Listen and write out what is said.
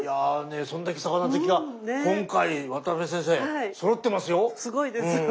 そんだけ魚好きが今回渡辺先生そろってますよ！